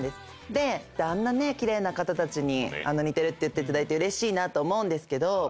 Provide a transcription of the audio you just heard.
あんな奇麗な方たちに似てるって言っていただいてうれしいなと思うんですけど